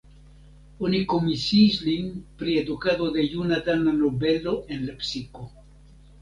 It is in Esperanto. Oni komisiis lin pri edukado de juna dana nobelo en Lepsiko.